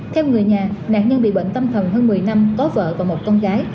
theo người nhà nạn nhân bị bệnh tâm thần hơn một mươi năm có vợ và một con gái